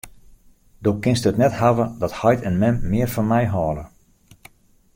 Do kinst it net hawwe dat heit en mem mear fan my hâlde.